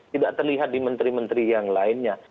tidak terlihat di menteri menteri yang lainnya